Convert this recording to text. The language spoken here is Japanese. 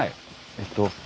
えっと